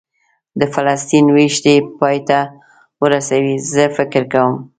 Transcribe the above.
د فلسطین وېش دې پای ته ورسوي، زه فکر کوم.